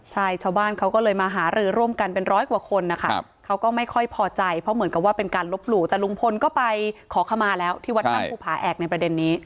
ใช่ชาวบ้านเขาก็เลยมาหารือร่วมกันเป็นร้อยกว่าคนนะคะเขาก็ไม่ค่อยพอใจเพราะเหมือนกับว่าเป็นการลบหลู่แต่ลุงพลก็ไปขอขมาแล้วที่วัดถ้ำภูผาแอกในประเด็นนี้